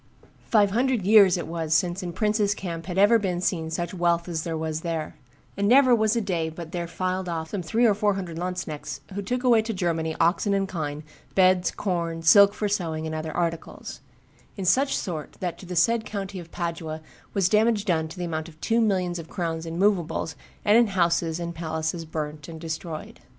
"Five hundred years it was since in prince's camp had ever been seen such wealth as there was there; and never was a day but there filed off some three or four hundred lanzknechts who took away to Germany oxen and kine, beds, corn, silk for sewing, and other articles; in such sort that to the said country of Padua was damage done to the amount of two millions of crowns in movables and in houses and palaces burnt and destroyed."